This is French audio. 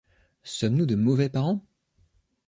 Sommes-nous de mauvais parents ?